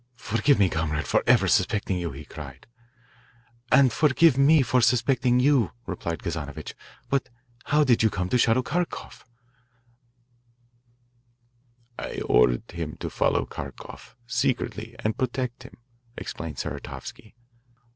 "Forgive me, comrade, for ever suspecting you," he cried. "And forgive me for suspecting you," replied Kazanovitch, "but how did you come to shadow Kharkoff?" "I ordered him to follow Kharkoff secretly and protect him," explained Saratovsky.